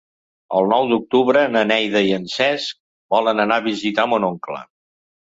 El nou d'octubre na Neida i en Cesc volen anar a visitar mon oncle.